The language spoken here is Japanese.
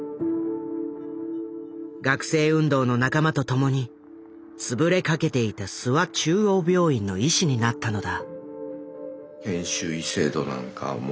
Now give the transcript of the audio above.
学生運動の仲間とともに潰れかけていた諏訪中央病院の医師になったのだ。